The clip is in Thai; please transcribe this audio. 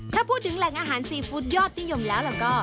ถ้าพูดถึงแหล่งอาหารซีฟู้ดยอดนิยมแล้วก็